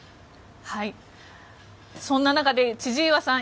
そんな中で、千々岩さん